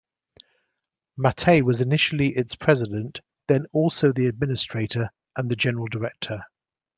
Mattei was initially its president, then also the administrator and the general director.